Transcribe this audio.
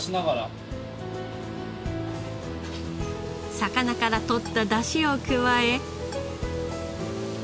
魚からとったダシを加え。